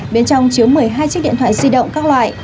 bên trong chứa một mươi hai chiếc điện thoại di động các loại